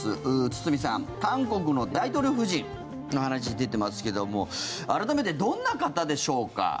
堤さん、韓国の大統領夫人の話出てますけども改めて、どんな方でしょうか。